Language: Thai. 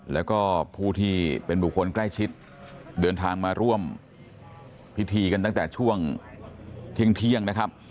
แล้วก็ผู้ที่เป็นบุคคลใกล้ชิดเดินทางมาร่วมพิธีกันตั้งแต่ช่วงเที่ยงนะครับ